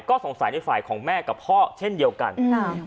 ก็สงสัยในฝ่ายของแม่กับพ่อเช่นเดียวกันค่ะ